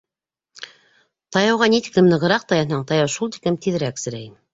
Таяуға ни тиклем нығыраҡ таянһаң, таяу шул тиклем тиҙерәк серей.